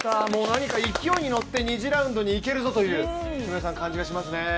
何か勢いに乗って２次ラウンドにいけるぞという感じですね。